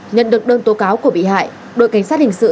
nhận được đơn tố cáo của bị hại